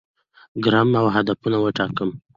کړم او هدفونه وټاکم،